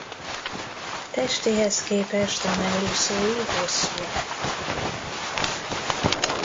Testéhez képest a mellúszói hosszúak.